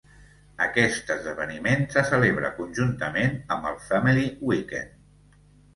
Aquest esdeveniment se celebra conjuntament amb el Family Weekend.